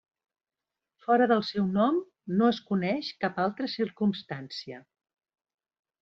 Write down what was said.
Fora del seu nom no es coneix cap altra circumstància.